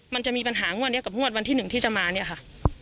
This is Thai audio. มันจะมีปัญหาหัวเนี้ยกับโง่ดวันที่หนึ่งที่จะมาเนี่ยค่ะ